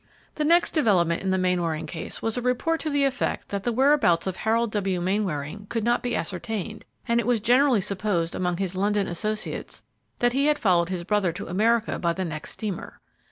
The next development in the Mainwaring case was a report to the effect that the whereabouts of Harold W. Mainwaring could not be ascertained, and it was generally supposed among his London associates that he had followed his brother to America by the next steamer.